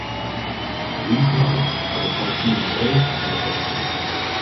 Beliedsmakkers hawwe it somtiden dreech mei de polityk.